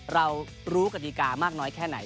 เรารู้กฎิกามากน้อยแค่ไหน